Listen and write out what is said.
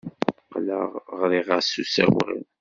Qqleɣ ɣriɣ-as s usawal.